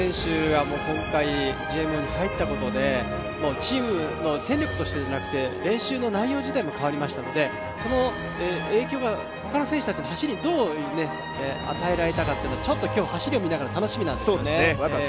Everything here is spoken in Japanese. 大迫選手が今回、チームに入ったことでチームの戦力としてではなくて練習の内容自体も変わりましたのでその影響がほかの選手たちの走りにどう影響を与えられたかちょっと今日、走りを見ながら楽しみなんですね。